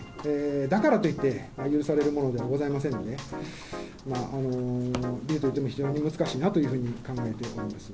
だからといって許されるものではございませんので、理由といっても、非常に難しいなというふうに考えております。